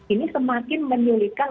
ini semakin menulikan